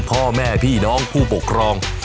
พ่อแม่พี่น้องผู้ปกครอง